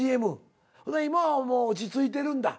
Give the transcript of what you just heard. ほな今はもう落ち着いてるんだ。